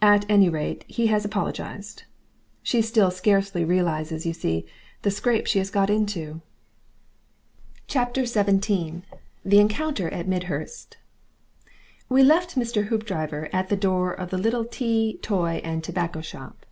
At any rate he has apologised. She still scarcely realises, you see, the scrape she has got into. XVII. THE ENCOUNTER AT MIDHURST We left Mr. Hoopdriver at the door of the little tea, toy, and tobacco shop.